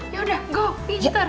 yaudah go pinter